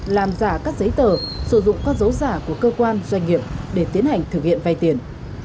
làm giả các giấy tờ sử dụng con dấu giả của cơ quan doanh nghiệp để tiến hành thực hiện vay tiền